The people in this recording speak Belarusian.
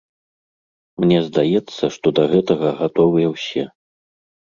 Мне здаецца, што да гэтага гатовыя ўсе.